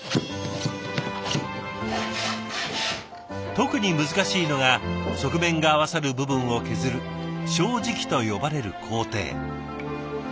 特に難しいのが側面が合わさる部分を削る「正直」と呼ばれる工程。